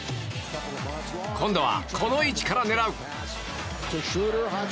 今度は、この位置から狙う！